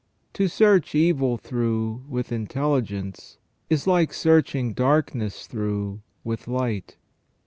To search evil through with intelligence is like searching darkness through with light.